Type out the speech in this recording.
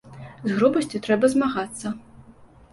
З грубасцю трэба змагацца.